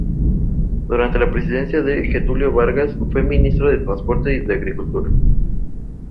Durante la presidencia de Getúlio Vargas fue Ministro de Transporte y de Agricultura.